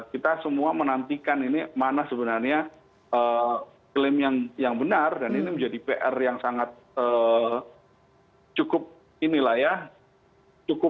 kita semua menantikan ini mana sebenarnya klaim yang benar dan ini menjadi pr yang sangat cukup ini lah ya cukup rumit lah yang harus dibuktikan